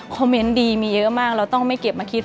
เมนต์ดีมีเยอะมากเราต้องไม่เก็บมาคิด